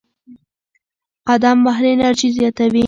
قدم وهل انرژي زیاتوي.